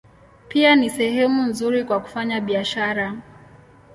Pia ni sehemu nzuri kwa kufanya biashara.